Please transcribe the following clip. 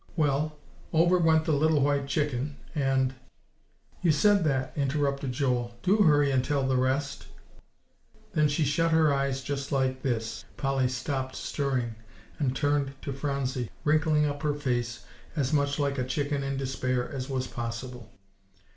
"Well, over went the little white chicken, and" "You said that," interrupted Joel; "do hurry and tell the rest." "Then she shut her eyes just like this," Polly stopped stirring, and turned to Phronsie, wrinkling up her face as much like a chicken in despair as was possible.